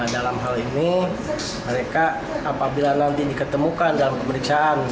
dalam hal ini mereka apabila nanti diketemukan dalam pemeriksaan